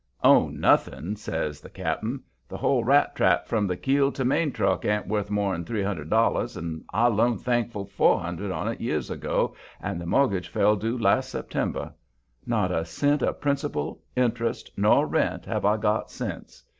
"Own nothing," says the cap'n. "The whole rat trap, from the keel to maintruck, ain't worth more'n three hundred dollars, and I loaned Thankful four hundred on it years ago, and the mortgage fell due last September. Not a cent of principal, interest, nor rent have I got since.